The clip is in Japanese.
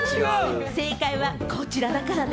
正解はこちらだからね。